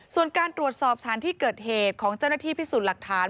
ส่วนการตรวจสอบสถานที่เกิดเหตุของเจ้าหน้าที่พิสูจน์หลักฐาน